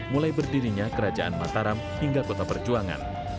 mulai berdirinya kerajaan mataram hingga kota perjuangan